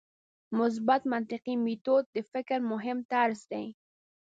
مثبت منطقي میتود د فکر مهم طرز دی.